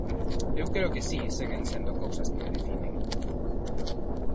E eu creo que si seguen sendo cousas que me definen.